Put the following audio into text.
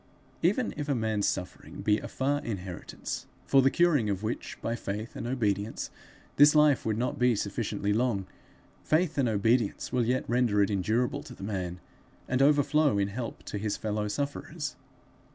Even if a man's suffering be a far inheritance, for the curing of which by faith and obedience this life would not be sufficiently long, faith and obedience will yet render it endurable to the man, and overflow in help to his fellow sufferers.